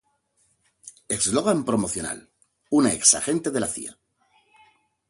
Eslogan promocional: "Una ex-agente de la Cía.